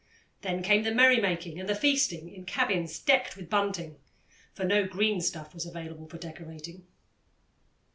Then came the merrymaking and the feasting in cabins decked with bunting, for no green stuff was available for decorating.